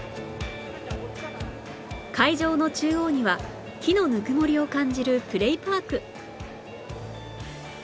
会場の中央には木のぬくもりを感じるプレイパーク